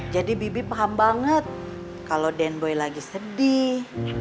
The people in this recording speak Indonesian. jadi bibi paham banget kalo den boy lagi sedih